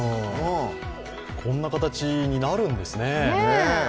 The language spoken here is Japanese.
こんな形になるんですね。